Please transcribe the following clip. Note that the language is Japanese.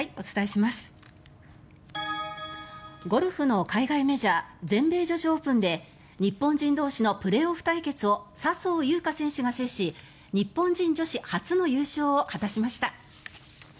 ゴルフの海外メジャー全米女子オープンで日本人同士のプレーオフ対決を笹生優花選手が制し日本人女子初の優勝を果たしました。